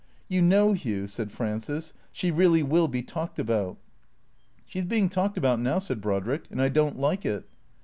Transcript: " You know, Hugh," said Frances, " she really will be talked about.'^ " She 's being talked about now," said Brodrick, " and I don't like it."